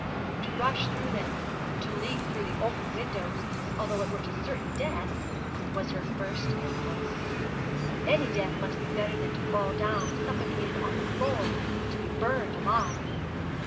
To rush through them, to leap through the open window although it were to certain death, was her first impulse. Any death must be better than to fall down suffocated on the floor, and to be burned alive.